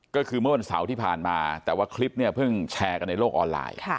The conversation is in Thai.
ก็คือเมื่อวันเสาร์ที่ผ่านมาแต่ว่าคลิปเนี่ยเพิ่งแชร์กันในโลกออนไลน์